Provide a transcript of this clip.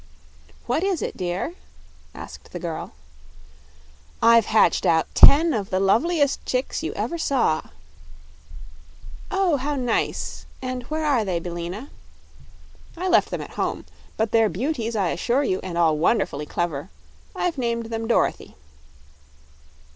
"What is it, dear?" asked the girl. "I've hatched out ten of the loveliest chicks you ever saw." "Oh, how nice! And where are they, Billina?" "I left them at home. But they're beauties, I assure you, and all wonderfully clever. I've named them Dorothy."